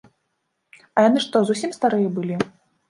А яны што зусім старыя былі?